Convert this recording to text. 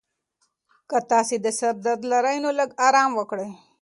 که تاسي د سر درد لرئ، نو لږ ارام وکړئ.